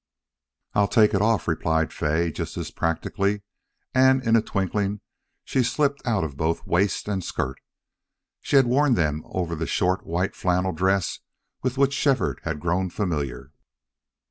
"I'll take it off," replied Fay, just as practically. And in a twinkling she slipped out of both waist and skirt. She had worn them over the short white flannel dress with which Shefford had grown familiar.